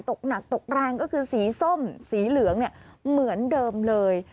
ตกหนักตกแรงก็คือสีส้มสีเหลืองเนี่ยเหมือนเดิมเลย